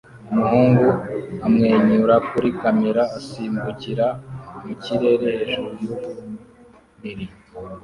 Umuhungu amwenyura kuri kamera asimbukira mu kirere hejuru yuburiri